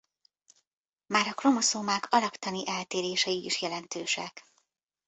Már a kromoszómák alaktani eltérései is jelentősek.